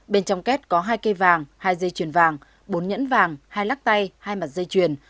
bên trong kết có hai cây vàng hai dây chuyền vàng bốn nhẫn vàng hai lắc tay hai mặt dây chuyền